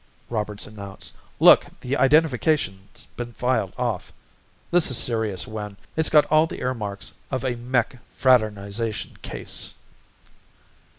Roberts announced. "Look, the identification's been filed off. This is serious, Wynn. It's got all the earmarks of a mech fraternization case."